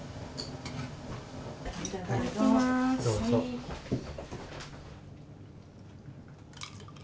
どうぞ。